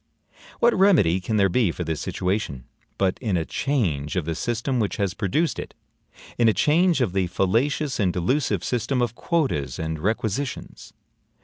What remedy can there be for this situation, but in a change of the system which has produced it in a change of the fallacious and delusive system of quotas and requisitions?